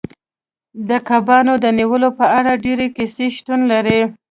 د کبانو د نیولو په اړه ډیرې کیسې شتون لري